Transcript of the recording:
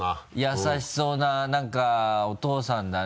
優しそうな何かお父さんだね。